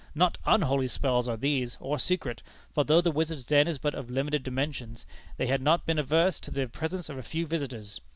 Not 'unholy spells' are these, or secret; for, though the wizards' den is but of limited dimensions, they have not been averse to the presence of a few visitors.